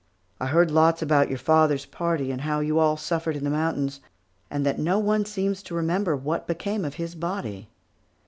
I heard lots about your father's party, and how you all suffered in the mountains, and that no one seems to remember what became of his body.